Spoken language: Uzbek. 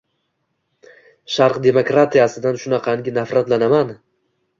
Sharq "demokratiya"sidan shunaqangi nafratlanaman.